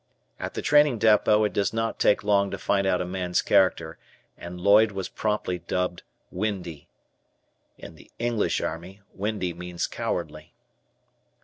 At the training depot it does not take long to find out a man's character, and Lloyd was promptly dubbed "Windy." In the English Army, "windy" means cowardly.